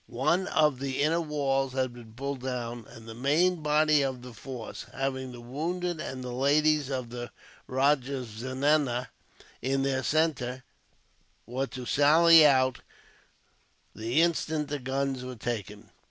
One of the inner walls had been pulled down, and the main body of the force, having the wounded and the ladies of the rajah's zenana in their centre, were to sally out, the instant the guns were taken.